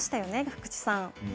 福地さん。